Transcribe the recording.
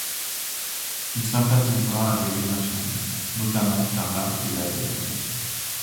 Il sympathisera avec les infirmières, notamment Carla et Laverne.